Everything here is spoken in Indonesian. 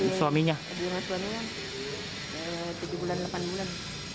dengan suaminya tujuh bulan delapan bulan